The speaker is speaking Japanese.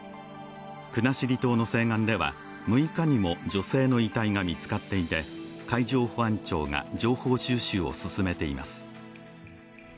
国後島の西岸では６日にも女性の遺体が見つかっていて、海上保安庁が情報収集を進めています。